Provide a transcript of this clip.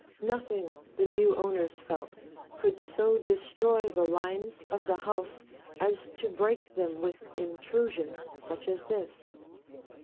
Nothing, the new owners felt, could so destroy the lines of the house as to break them with intrusions such as this.